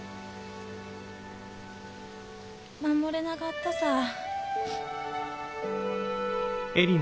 守れなかったさぁ。